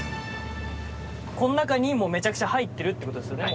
この中にめちゃくちゃ入ってるってことですよね